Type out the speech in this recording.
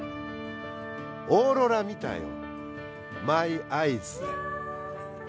「オーロラ見たよマイアイズで」。